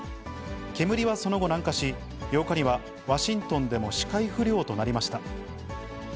煙はその後南下し、８日にはワシントンでも視界不良となりました。